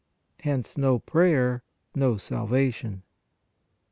Hence no prayer, no salvation.